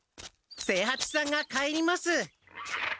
清八さんが帰ります。